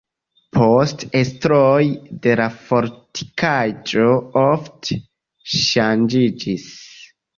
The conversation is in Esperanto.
Poste estroj de la fortikaĵo ofte ŝanĝiĝis.